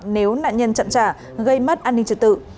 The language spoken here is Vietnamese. nếu nạn nhân chặn trả gây mất an ninh trực tự